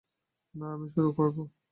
না, আমি শুরু করব।